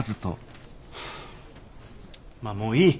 まあもういい。